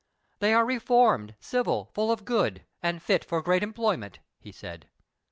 "They are reformed, civil, full of good, and fit for great employment," he said.